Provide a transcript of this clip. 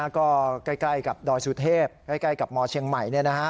ก็ใกล้กับดอยสุเทพใกล้กับมเชียงใหม่